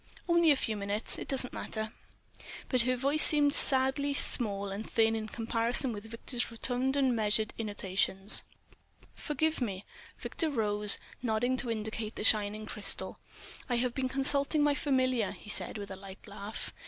"Only a few minutes. It doesn't matter." But her voice seemed sadly small and thin in comparison with Victor's rotund and measured intonations. "Forgive me." Victor rose, nodding to indicate the shining crystal. "I have been consulting my familiar," he said with a light laugh.